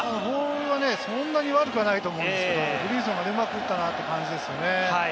ボールはそんなに悪くないと思うんですけれども、ブリンソンがうまく打ったなという感じですね。